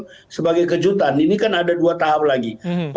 itu sebagai kejutan ini kan ada dua tahap lagi